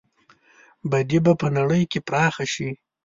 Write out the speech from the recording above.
بدي به په نړۍ کې پراخه شي.